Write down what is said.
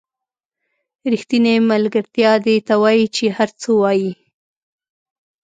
ریښتینې ملګرتیا دې ته وایي چې هر څه وایئ.